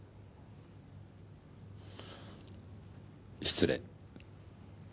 失礼。